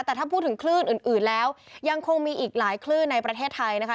แต่ถ้าพูดถึงคลื่นอื่นแล้วยังคงมีอีกหลายคลื่นในประเทศไทยนะคะ